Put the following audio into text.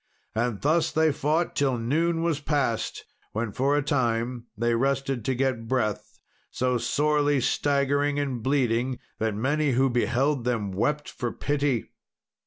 And thus they fought till noon was past, when, for a time they rested to get breath, so sorely staggering and bleeding, that many who beheld them wept for pity.